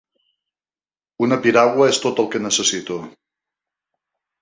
Una piragua és tot el que necessito.